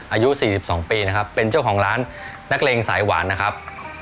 อายุ๔๒ปีนะครับเป็นเจ้าของร้านนักเลงสายหวานนะครับ